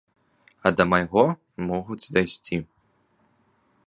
А да майго могуць і дайсці.